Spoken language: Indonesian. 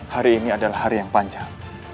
hari ini adalah hari yang panjang